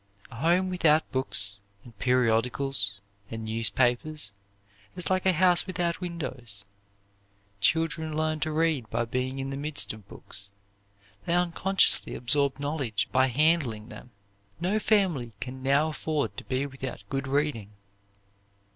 A home without books and periodicals and newspapers is like a house without windows. Children learn to read by being in the midst of books; they unconsciously absorb knowledge by handling them. No family can now afford to be without good reading.